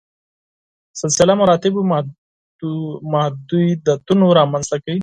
سلسله مراتبو محدودیتونه رامنځته کوي.